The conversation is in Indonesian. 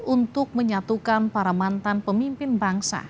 untuk menyatukan para mantan pemimpin bangsa